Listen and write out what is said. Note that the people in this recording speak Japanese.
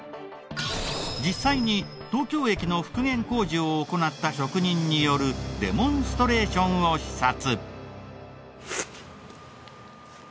実際に東京駅の復原工事を行った職人によるデモンストレーションを視察。